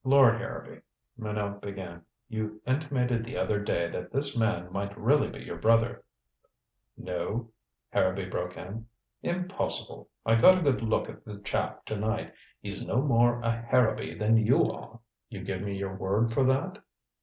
"Lord Harrowby," Minot began, "you intimated the other day that this man might really be your brother " "No," Harrowby broke in. "Impossible. I got a good look at the chap to night. He's no more a Harrowby than you are." "You give me your word for that?"